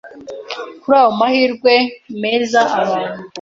Kuri ayo mahirwe meza abantu